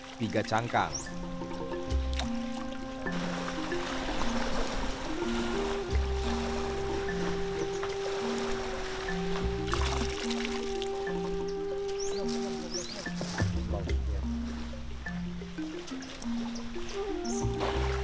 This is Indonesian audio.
mereka tidak bisa menemukan cangkang biar tanduk dan susu